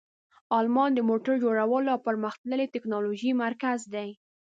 آلمان د موټر جوړولو او پرمختللې تکنالوژۍ مرکز دی.